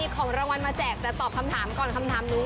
ของรางวัลมาแจกแต่ตอบคำถามก่อนคำถามนู้น